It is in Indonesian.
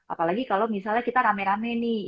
apalagi kalau misalnya kita rame rame nih